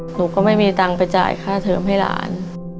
หนูก็ไม่มีตังค์ไปจ่ายค่าเทิมให้หลาน